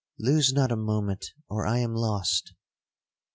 —lose not a moment, or I am lost!'